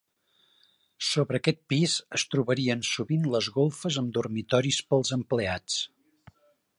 Sobre aquest pis es trobarien sovint les golfes amb dormitoris pels empleats.